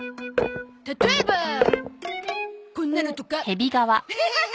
例えばこんなのとか。ハハハ！